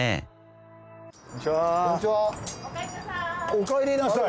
おかえりなさい？